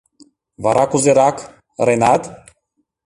— Вара кузерак, ыренат?